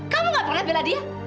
kamu gak pernah bela dia